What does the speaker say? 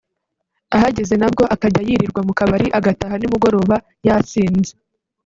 ahageze nabwo akajya yirirwa mu kabari agataha nimugoroba yasinze